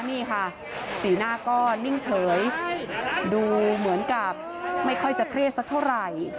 นี่ค่ะสีหน้าก็นิ่งเฉยดูเหมือนกับไม่ค่อยจะเครียดสักเท่าไหร่